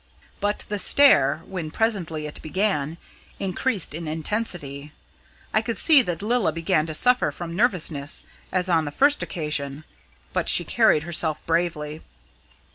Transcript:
But the stare, when presently it began, increased in intensity. I could see that Lilla began to suffer from nervousness, as on the first occasion; but she carried herself bravely.